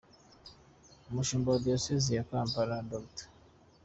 Umushumba wa Diyosezi ya Kampala Dr.